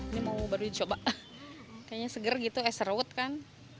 ini mau baru dicoba kayaknya seger gitu es serut kan